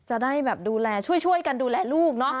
จะได้แบบดูแลช่วยกันดูแลลูกเนอะ